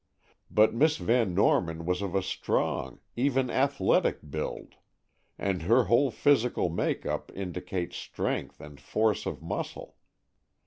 But Miss Van Norman was of a strong, even athletic build, and her whole physical make up indicates strength and force of muscle.